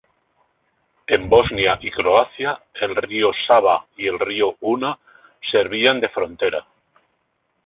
En Bosnia y Croacia el río Sava y el río Una servían de frontera.